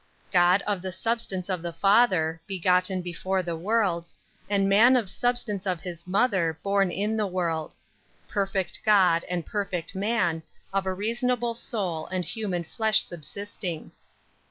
31. God of the substance of the Father, begotten before the worlds; and man of substance of His mother, born in the world. 32. Perfect God and perfect man, of a reasonable soul and human flesh subsisting.